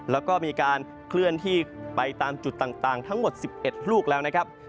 แล้วก็มีการเคลื่อนที่ไปตามจุดต่างทั้งหมด๑๑ลูกแล้วนะครับ